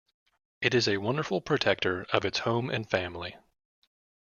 It is a wonderful protector of its home and family.